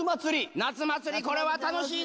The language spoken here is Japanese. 夏祭り、これは楽しいね。